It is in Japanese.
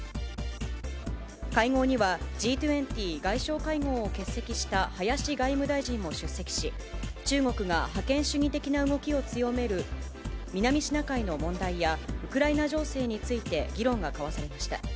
会合には、Ｇ２０外相会合を欠席した林外務大臣も出席し、中国が覇権主義的な動きを強める南シナ海の問題や、ウクライナ情勢について議論が交わされました。